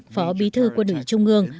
phó bí thư quân ủy trung ương